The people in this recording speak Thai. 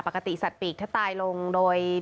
ปกติสัตว์ปีกถ้าตายลงโดย